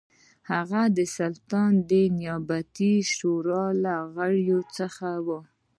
هغه د سلطنت د نیابتي شورا له غړو څخه و.